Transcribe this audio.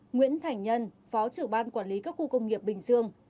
nguyễn thành nhân phó trưởng ban quản lý các khu công nghiệp bình dương